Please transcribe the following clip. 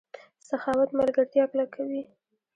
سخاوت ملګرتیا کلکوي.